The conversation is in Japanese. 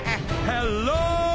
ハロー！